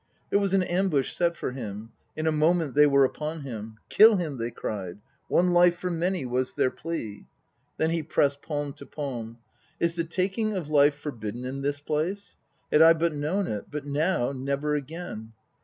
There was an ambush set for him ; in a moment they were upon him. "Kill him!" they cried; "one life for many," was their plea. Then he pressed palm to palm. "Is the taking of life forbidden in this place? Had I but known it! But now, never again